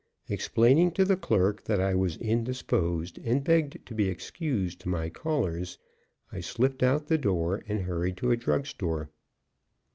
Explaining to the clerk that I was indisposed and begged to be excused to my callers, I slipped out of the door and hurried to a drug store.